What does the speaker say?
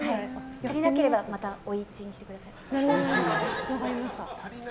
足りなければまた追いチンしてください。